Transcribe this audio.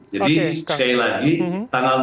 jadi sekali lagi tanggal enam belas